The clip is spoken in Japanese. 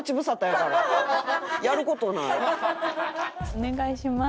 お願いします。